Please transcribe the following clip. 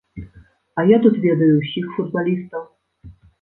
А я тут ведаю ўсіх футбалістаў.